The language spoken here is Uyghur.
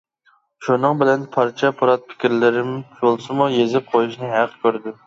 شۇنىڭ بىلەن پارچە-پۇرات پىكىرلىرىم بولسىمۇ يېزىپ قويۇشنى ھەق كۆردۈم.